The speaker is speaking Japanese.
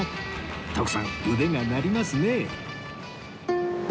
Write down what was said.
徳さん腕が鳴りますね